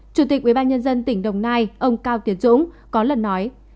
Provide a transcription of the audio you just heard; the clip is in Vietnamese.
chủ tịch ubnd tỉnh đồng nai ông cao tiến dũng có lần nói